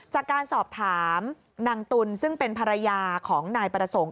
จากการสอบถามนางตุลซึ่งเป็นภรรยาของนายประสงค์